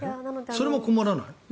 それも困らない？